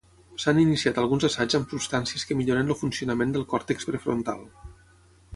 S'han iniciat alguns assaigs amb substàncies que milloren el funcionament del còrtex prefrontal.